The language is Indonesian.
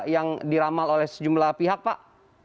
yang diramal oleh sejumlah pihak pak